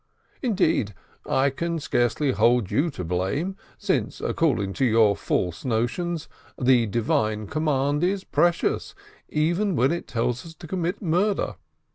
Indeed, I can scarcely hold you to blame, since, according to your false notions, the Divine command is precious, even when it tells us to commit murder.